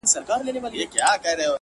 • د جنګ منځ ته به ور ګډ لکه زمری سو ,